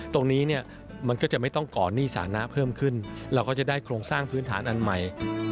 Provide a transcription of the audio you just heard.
ตรงนี้เนี่ยมันก็จะไม่ต้องก่อนหนี้สานะเพิ่มขึ้นเราก็จะได้โครงสร้างพื้นฐานอันใหม่